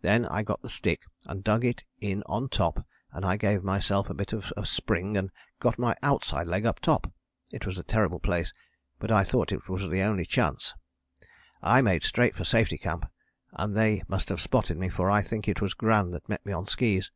Then I got the stick and dug it in on top and I gave myself a bit of a spring and got my outside leg up top. It was a terrible place but I thought it was the only chance. "I made straight for Safety Camp and they must have spotted me: for I think it was Gran that met me on skis.